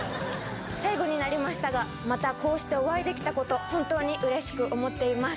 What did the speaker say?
最後になりましたが、またこうしてお会いできたこと、本当にうれしく思っています。